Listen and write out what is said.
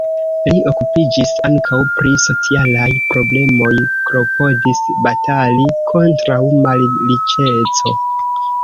Li okupiĝis ankaŭ pri socialaj problemoj, klopodis batali kontraŭ malriĉeco.